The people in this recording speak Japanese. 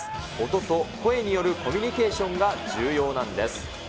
音と声によるコミュニケーションが重要なんです。